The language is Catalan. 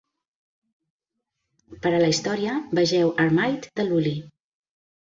Per a la història, vegeu "Armide", de Lully.